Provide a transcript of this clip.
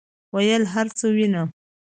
ویل هرڅه وینم،